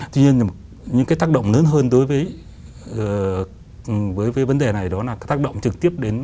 tuy nhiên những cái tác động lớn hơn đối với cái vấn đề này đó là tác động trực tiếp đến